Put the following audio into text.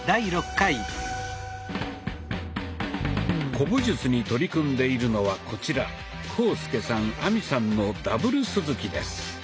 古武術に取り組んでいるのはこちら浩介さん亜美さんのＷ鈴木です。